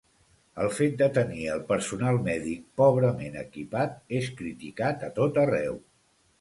El fet de tenir el personal mèdic pobrament equipat és criticat a tot arreu.